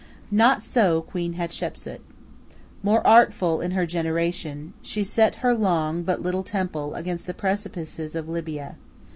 Not so Queen Hatshepsu. More artful in her generation, she set her long but little temple against the precipices of Libya.